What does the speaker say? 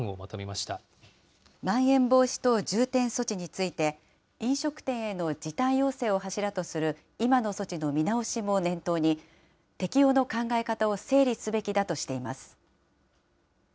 まん延防止等重点措置について、飲食店への時短要請を柱とする今の措置の見直しも念頭に、適用の考え方を整理すべきだとしています。